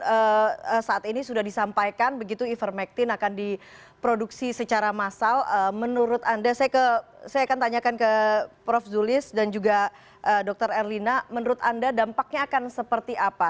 oke saat ini sudah disampaikan begitu ivermectin akan diproduksi secara massal menurut anda saya akan tanyakan ke prof zulis dan juga dr erlina menurut anda dampaknya akan seperti apa